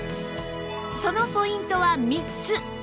そのポイントは３つ